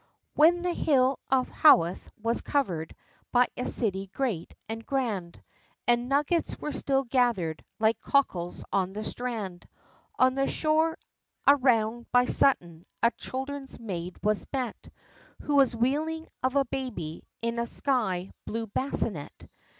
WHEN the Hill of Howth was covered, by a city great, and grand, And nuggets still were gathered, like cockles on the strand; On the shore, around by Sutton, a children's maid was met, Who was wheeling of a baby, in a sky blue bassinet.